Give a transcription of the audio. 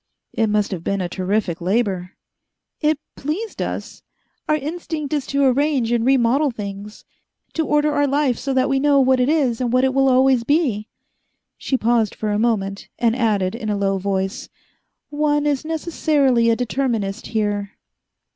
"It must have been a terrific labor." "It pleased us. Our instinct is to arrange and remodel things, to order our life so that we know what it is and what it will always be." She paused for a moment, and added in a low voice, "One is necessarily a determinist here."